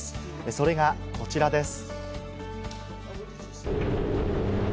それがこちらです。